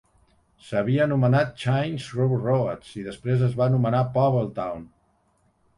S'havia anomenat Chinn's Crossroads i després es va anomenar Powell Town.